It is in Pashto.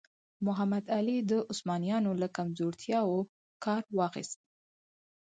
محمد علي د عثمانیانو له کمزورتیاوو کار واخیست.